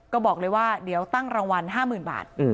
ก็บอกเลยว่าเดี๋ยวตั้งรางวัล๕๐๐๐บาท